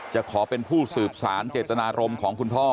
ขอเป็นผู้สืบสารเจตนารมณ์ของคุณพ่อ